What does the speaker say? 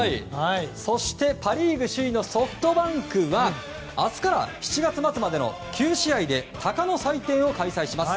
そしてパ・リーグ首位のソフトバンクは明日から７月末までの９試合で鷹の祭典を開催します。